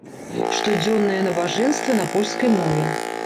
Штодзённыя набажэнствы на польскай мове.